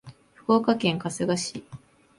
福岡県春日市